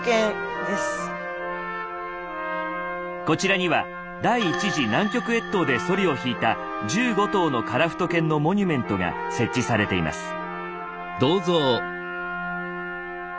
こちらには第１次南極越冬でソリを引いた１５頭のカラフト犬のモニュメントが設置されています。